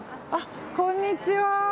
こんにちは。